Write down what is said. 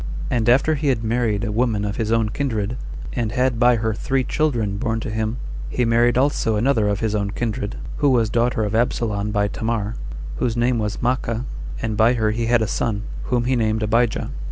And after he had married a woman of his own kindred, and had by her three children born to him, he married also another of his own kindred, who was daughter of Absalom by Tamar, whose name was Maachah, and by her he had a son, whom he named Abijah.